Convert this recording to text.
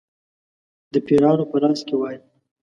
د پیرانو په لاس کې وای.